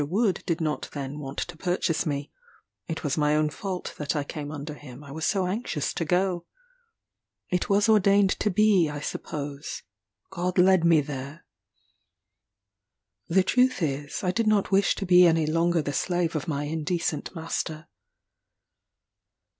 Wood did not then want to purchase me; it was my own fault that I came under him, I was so anxious to go. It was ordained to be, I suppose; God led me there. The truth is, I did not wish to be any longer the slave of my indecent master.